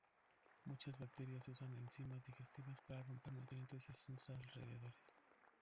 Muchas bacterias usan enzimas digestivas para romper nutrientes en sus alrededores.